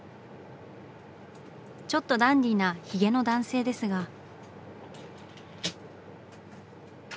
ちょっとダンディーなヒゲの男性ですが。